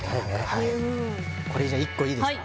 はいこれじゃあ１個いいですか？